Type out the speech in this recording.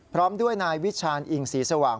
พร้อมด้วยนายวิชาณอิงศรีสว่าง